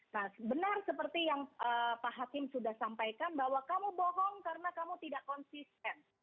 nah benar seperti yang pak hakim sudah sampaikan bahwa kamu bohong karena kamu tidak konsisten